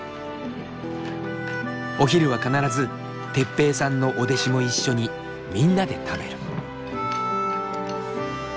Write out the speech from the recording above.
お昼は必ず哲平さんのお弟子も一緒にみんなで食べる。